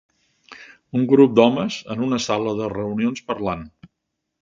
Un grup d'homes en una sala de reunions parlant.